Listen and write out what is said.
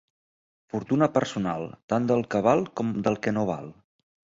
Fortuna personal, tant del que val com del que no val.